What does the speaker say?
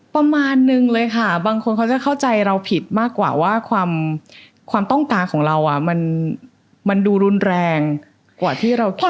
ประมาณนึงเลยค่ะบางคนเขาจะเข้าใจเราผิดมากกว่าว่าความต้องการของเรามันดูรุนแรงกว่าที่เราคิด